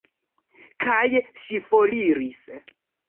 Kaj ŝi foriris.